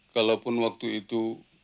kalaupun waktu itu